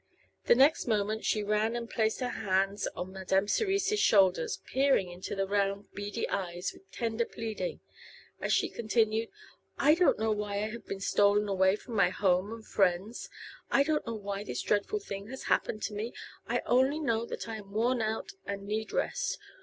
The next moment she ran and placed her hands on Madame Cerise's shoulders, peering into the round, beady eyes with tender pleading as she continued: "I don't know why I have been stolen away from my home and friends; I don't know why this dreadful thing has happened to me; I only know that I am worn out and need rest.